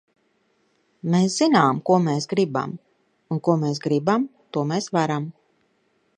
Mēs zinām, ko mēs gribam! Un ko mēs gribam, to mēs varam!